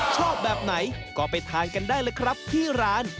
ชอบแบบไหนก็ไปทานกันได้เลยครับที่ร้าน